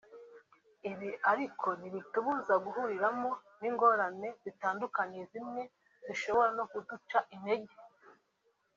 ibi ariko ntibitubuza guhuriramo n’ingorane zitandukanye zimwe zishobora no kuduca intege